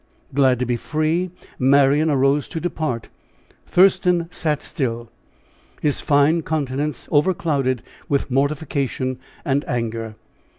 Glad to be free, Marian arose to depart. Thurston sat still his fine countenance overclouded with mortification and anger.